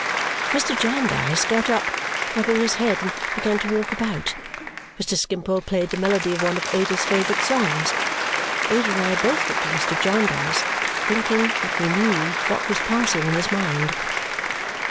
Mr. Jarndyce got up, rubbing his head, and began to walk about. Mr. Skimpole played the melody of one of Ada's favourite songs. Ada and I both looked at Mr. Jarndyce, thinking that we knew what was passing in his mind.